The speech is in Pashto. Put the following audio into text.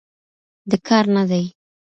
د كار نه دى